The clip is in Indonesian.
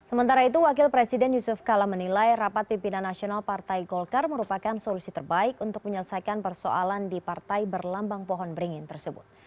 sementara itu wakil presiden yusuf kala menilai rapat pimpinan nasional partai golkar merupakan solusi terbaik untuk menyelesaikan persoalan di partai berlambang pohon beringin tersebut